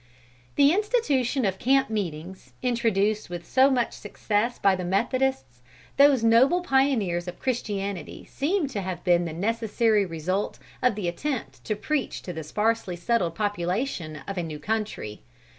The institution of camp meetings, introduced with so much success by the Methodists, those noble pioneers of Christianity, seem to have been the necessary result of the attempt to preach to the sparsely settled population of a new country.